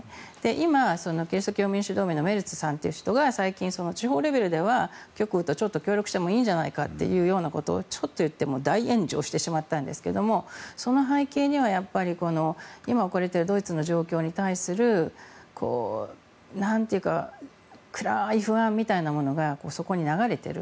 今、キリスト教民主同盟の人が最近、地方レベルでは極右とちょっと協力してもいいんじゃないかということをちょっと言って大炎上してしまったんですがその背景には今、置かれているドイツの状況に対する暗い不安みたいなものがそこに流れている。